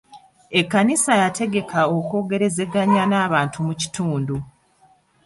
Ekkanisa yategeka okwogerezeganya n'abantu mu kitundu.